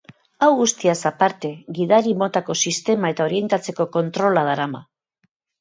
Hau guztiaz aparte, gidari motako sistema eta orientatzeko kontrola darama.